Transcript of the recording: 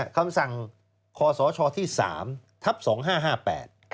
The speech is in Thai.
คำสั่งขศที่๓ทัพ๒๕๕๘